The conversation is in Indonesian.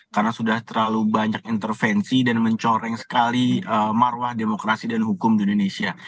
karena sudah terlalu banyak intervensi dan mencoreng sekali marwah demokrasi dan hukum di indonesia